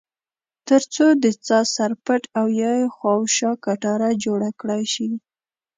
ترڅو د څاه سر پټ او یا یې خواوشا کټاره جوړه کړای شي.